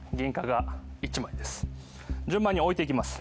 順番に置いていきます。